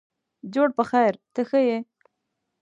جوړ په خیرته ښه یې.